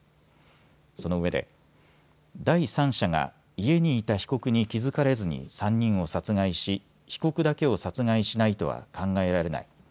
そのうえで第三者が家にいた被告に気付かれずに３人を殺害し被告だけを殺害しないとは考えられない。